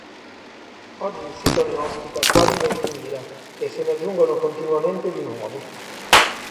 Oggi il sito ne ospita quasi ventimila e se ne aggiungono continuamente di nuovi.